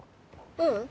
「ううん。